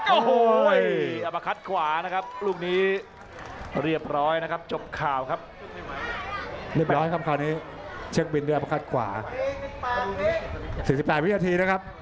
โอ้โหด้วยอาปารกัสกวานะครับ